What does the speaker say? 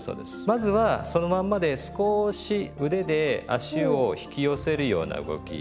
まずはそのまんまで少し腕で足を引き寄せるような動き。